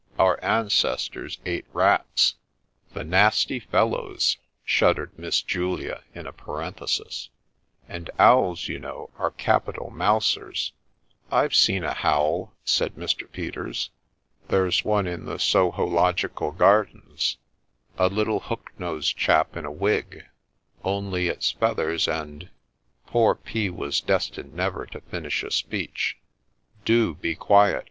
Our ancestors ate rats ;(" The nasty fellows !" shuddered B3 10 THE SPECTRE Miss Julia in a parenthesis ;) and owls, you know, are capital mousers '' I've seen a howl,' said Mr. Peters ;' there 's one in the Sohological Gardens, — a little hook nosed chap in a wig, — only its feathers and ' Poor P. was destined never to finish a speech. ' Do be quiet